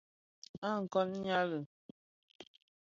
A kôn nyali.